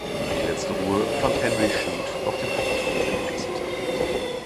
Die letzte Ruhe fand Henry Shute auf dem Friedhof in Exeter.